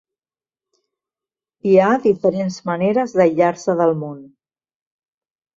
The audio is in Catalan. Hi ha diferents maneres d'aïllar-se del món.